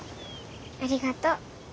ありがとう。